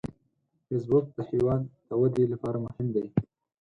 فېسبوک د هیواد د ودې لپاره مهم دی